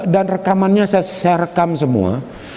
dan rekamannya saya rekam semua